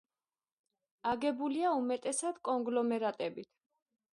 აგებულია უმეტესად კონგლომერატებით.